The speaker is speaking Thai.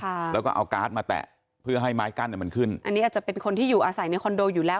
ค่ะแล้วก็เอาการ์ดมาแตะเพื่อให้ไม้กั้นเนี้ยมันขึ้นอันนี้อาจจะเป็นคนที่อยู่อาศัยในคอนโดอยู่แล้ว